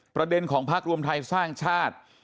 ประเด็นของพักรวมไทยสร้างชาติ